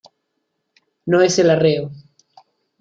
¡ no es el arreo!...